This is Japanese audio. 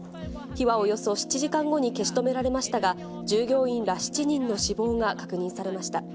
火はおよそ７時間後に消し止められましたが、従業員ら７人の死亡が確認されました。